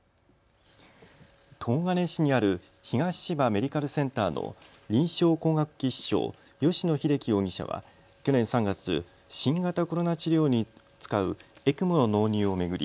東金市にある東千葉メディカルセンターの臨床工学技士長、吉野英樹容疑者は去年３月、新型コロナ治療に使うＥＣＭＯの納入を巡り